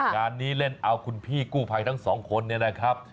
งานนี้เล่นเอาคุณพี่กู้ภัยทั้งสองคนเนี่ยนะครับ